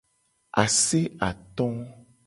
Ase ato.